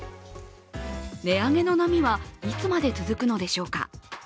値上げの波はいつまで続くのでしょうか？